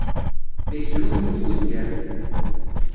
La yesrugmut wezger-nni.